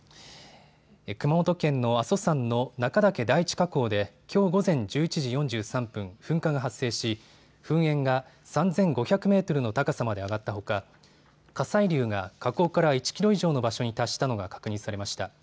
熊本県の阿蘇山の中岳第一火口できょう午前１１時４３分、噴火が発生し噴煙が３５００メートルの高さまで上がったほか火砕流が火口から１キロ以上の場所に達したのが確認されました。